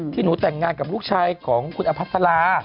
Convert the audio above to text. หนูแต่งงานกับลูกชายของคุณอภัทรา